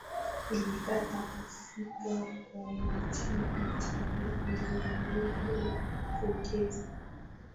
ilikataa kufika kwa Wachina sheria ililenga kupunguza